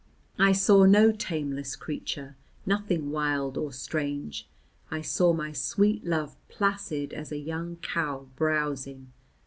I saw no tameless creature, nothing wild or strange. I saw my sweet love placid as a young cow browsing.